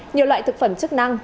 nhiều loại thực phẩm chức năng